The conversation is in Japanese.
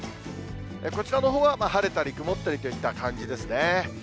こちらのほうは晴れたり曇ったりといった感じですね。